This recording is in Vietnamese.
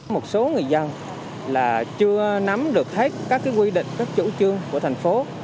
một số người dân là chưa nắm được hết các quy định các chủ trương của thành phố